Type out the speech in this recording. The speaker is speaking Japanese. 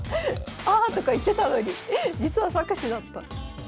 「あ！」とか言ってたのに実は策士だった。